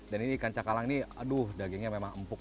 dan ini ikan cakalang aduh dagingnya memang empuk